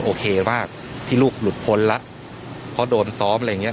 โอเคมากที่ลูกหลุดพ้นแล้วเพราะโดนซ้อมอะไรอย่างเงี้